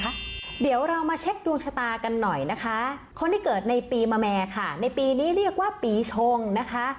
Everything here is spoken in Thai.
เดี๋ยวเรามาเช็คดวงชะตากันหน่อยนะคะคนที่เกิดในปีมะแม่ค่ะในปีนี้เรียกว่าปีชงนะคะ